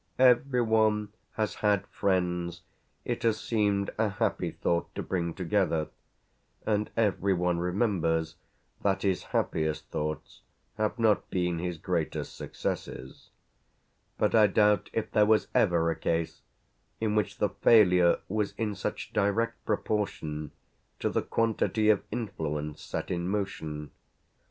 Every one has had friends it has seemed a happy thought to bring together, and every one remembers that his happiest thoughts have not been his greatest successes; but I doubt if there was ever a case in which the failure was in such direct proportion to the quantity of influence set in motion.